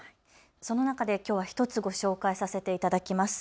その中で１つご紹介させていただきます。